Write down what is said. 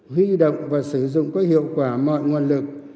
huy động và sử dụng có hiệu quả mọi nguồn lực